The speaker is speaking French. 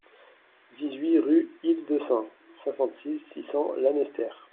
dix-huit rue Île de Sein, cinquante-six, six cents, Lanester